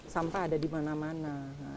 sampah ada di mana mana